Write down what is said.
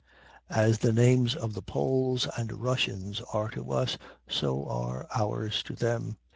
As the names of the Poles and Russians are to us, so are ours to them.